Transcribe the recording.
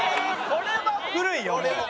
これは古いよね。